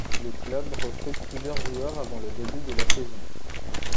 Le club recrute plusieurs joueurs avant le début de la saison.